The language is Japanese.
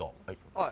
はい。